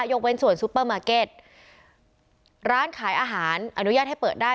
ยกเว้นส่วนซุปเปอร์มาร์เก็ตร้านขายอาหารอนุญาตให้เปิดได้